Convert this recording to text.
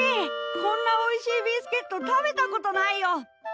こんなおいしいビスケット食べたことないよ！